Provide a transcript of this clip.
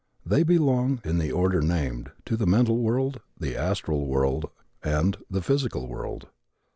They belong, in the order named, to the mental world, the astral world and the physical world.